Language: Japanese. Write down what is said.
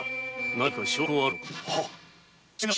何か証拠はあるのか？